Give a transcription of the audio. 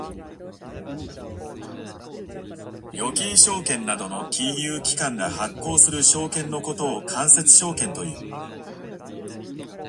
預金証券などの金融機関が発行する証券のことを間接証券という。